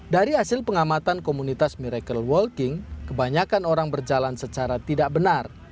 dari hasil pengamatan komunitas miracle walking kebanyakan orang berjalan secara tidak benar